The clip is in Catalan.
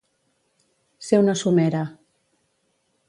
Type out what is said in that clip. Ser una somera.